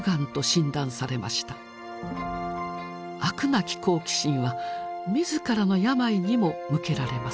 飽くなき好奇心は自らの病にも向けられます。